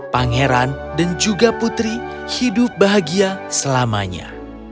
pangeran dan juga putri hidup bahagia selamanya